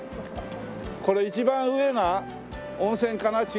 これ一番上が温泉かな？